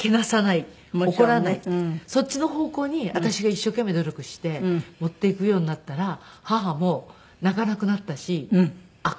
そっちの方向に私が一生懸命努力して持っていくようになったら母も泣かなくなったし明るくなりましたね。